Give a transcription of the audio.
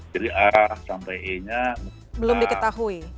jadi a sampai e nya belum diketahui